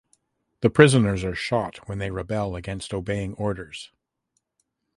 The prisoners are shot when they rebel against obeying orders.